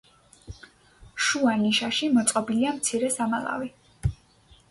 შუა ნიშაში მოწყობილია მცირე სამალავი.